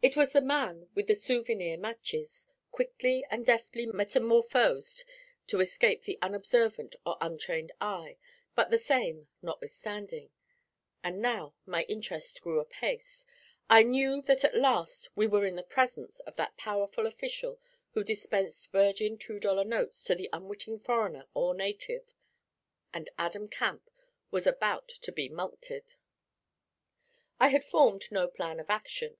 It was the man with the 'soo vy neer matches,' quickly and deftly metamorphosed to escape the unobservant or untrained eye, but the same, notwithstanding. And now my interest grew apace. I knew that at last we were in the presence of that powerful official who dispensed virgin two dollar notes to the unwitting foreigner or native; and Adam Camp was about to be mulcted. I had formed no plan of action.